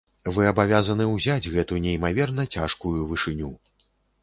Вы абавязаны ўзяць гэту неймаверна цяжкую вышыню.